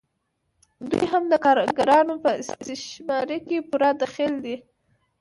دوی هم د کارګرانو په استثمار کې پوره دخیل دي